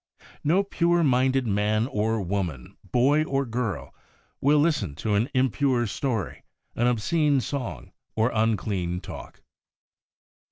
No pure minded man or woman, boy or girl, will listen to an impure story, an obscene song, or unclean talk.